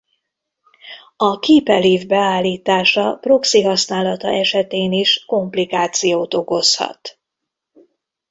A Keep-Alive beállítása proxy használata esetén is komplikációt okozhat.